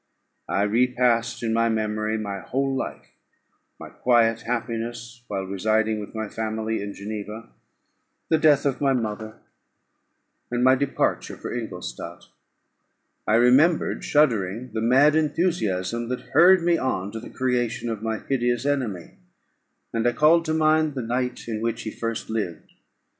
I repassed, in my memory, my whole life; my quiet happiness while residing with my family in Geneva, the death of my mother, and my departure for Ingolstadt. I remembered, shuddering, the mad enthusiasm that hurried me on to the creation of my hideous enemy, and I called to mind the night in which he first lived.